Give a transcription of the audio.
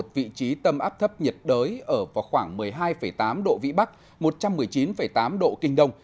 vị trí tâm áp thấp nhiệt đới ở vào khoảng một mươi hai tám độ vĩ bắc một trăm một mươi chín tám độ kinh đông